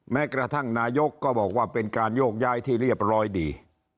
แม้กระทั่งนายกก็บอกว่าเป็นการโยกย้ายที่เรียบร้อยดี